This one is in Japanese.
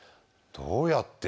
どうやって？